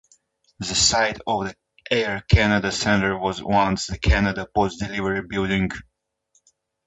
The site of the Air Canada Centre was once the Canada Post Delivery Building.